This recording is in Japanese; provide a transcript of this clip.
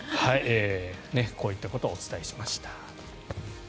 こういったことをお伝えしました。